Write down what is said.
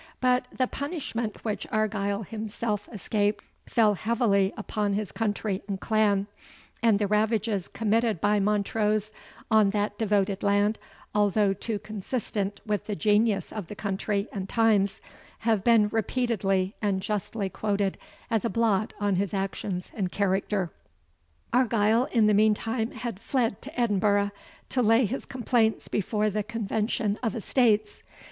But the punishment which Argyle himself escaped fell heavily upon his country and clan, and the ravages committed by Montrose on that devoted land, although too consistent with the genius of the country and times, have been repeatedly and justly quoted as a blot on his actions and character. Argyle in the meantime had fled to Edinburgh, to lay his complaints before the Convention of Estates.